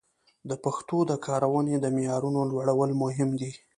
د پښتو د کارونې د معیارونو لوړول مهم دي.